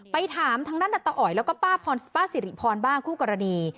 ไปถามทางด้านดัตตาอ๋อยแล้วก็ป้าสิริพรบ้างคู่กรณี